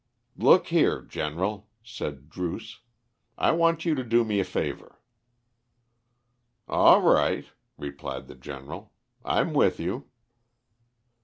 "Look here, General," said Druce, "I want you to do me a favour." "All right," replied the General. "I'm with you."